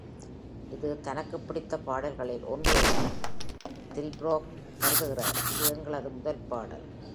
இது தனக்குப் பிடித்த பாடல்களில் ஒன்று என Tilbrook கருதுகிறார்: இது எங்களது முதல் பாடல்.